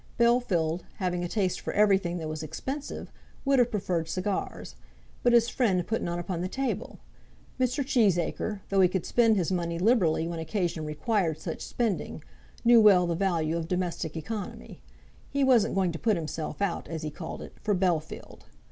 Bellfield, having a taste for everything that was expensive, would have preferred cigars; but his friend put none upon the table. Mr. Cheesacre, though he could spend his money liberally when occasion required such spending, knew well the value of domestic economy. He wasn't going to put himself out, as he called it, for Bellfield!